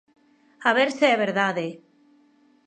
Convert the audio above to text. ¡A ver se é verdade!